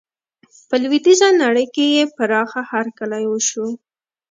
په لویدیزه نړۍ کې یې پراخه هرکلی وشو.